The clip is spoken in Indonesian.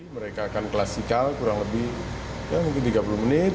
mereka akan klasikal kurang lebih tiga puluh menit